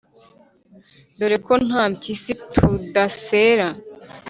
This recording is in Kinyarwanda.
_Dore ko nta mpyisi tudasera